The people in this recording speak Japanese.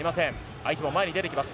相手も前に出てきます。